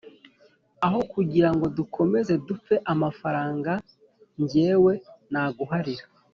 Aho kugirango dukomeze dupfe amafaranga njyewe naguharira